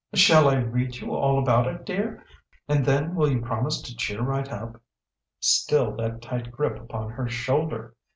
"Shall I read you all about it, dear? And then will you promise to cheer right up?" Still that tight grip upon her shoulder!